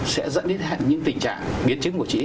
sẽ dẫn đến những tình trạng biến trứng của trĩ